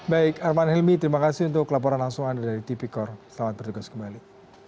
baik arman hilmi terima kasih untuk laporan langsungan dari tpkor selamat berjogos kembali